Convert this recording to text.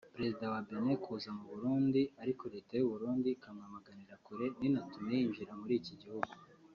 Perezida wa Benin kuza mu Burundi ariko Leta y’Uburundi ikamwamaganira kure ntinatume yinjira muri iki gihugu